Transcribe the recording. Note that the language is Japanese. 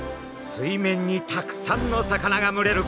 水面にたくさんの魚が群れる